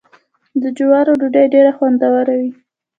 د جوارو ډوډۍ ډیره خوندوره وي.